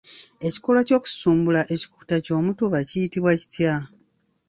Ekikolwa eky’okususumbula ekikuta ky’omutuba kiyitibwa kitya?